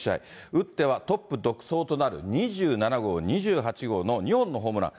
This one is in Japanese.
打ってはトップ独走となる２７号、２８号の２本のホームラン。